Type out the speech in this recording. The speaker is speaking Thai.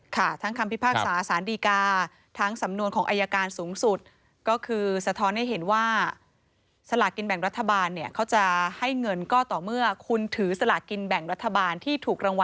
ใครทำหายต้องแจ้งความทันที